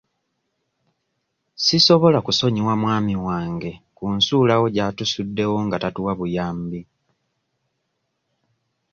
Sisobola kusonyiwa mwami wange ku nsuulawo gy'atusuddewo nga tatuwa buyambi.